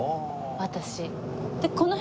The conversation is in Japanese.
私。